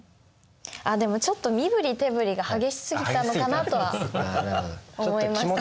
あっでもちょっと身ぶり手ぶりが激しすぎたのかなとは思いましたね。